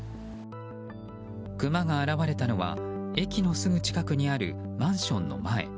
クマが現れたのは、駅のすぐ近くにあるマンションの前。